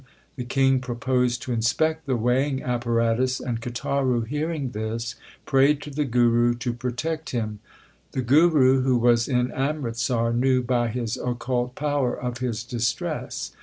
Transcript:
The king proposed to inspect the weighing apparatus, and Kataru, hearing this, prayed to the Guru to protect him. The Guru, who was in Amritsar, knew by his occult power of his distress.